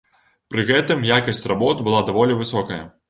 Пры гэтым якасць работ была даволі высокая.